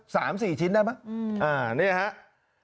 สัก๓๔ชิ้นได้ไหมนี่แหละครับ